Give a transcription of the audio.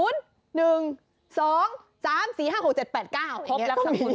เยอะจริง